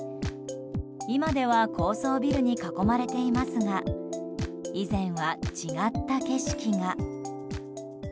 今では高層ビルに囲まれていますが以前は、違った景色が。